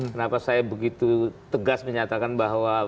kenapa saya begitu tegas menyatakan bahwa